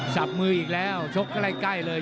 สับมืออีกแล้วชกก็ได้ใกล้เลย